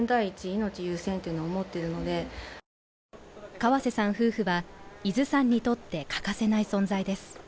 河瀬さん夫婦は、伊豆山にとって欠かせない存在です。